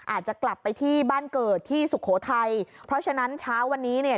อาจจะกลับไปที่บ้านเกิดที่สุโขทัยเพราะฉะนั้นเช้าวันนี้เนี่ย